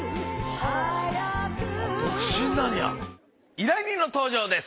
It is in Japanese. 依頼人の登場です。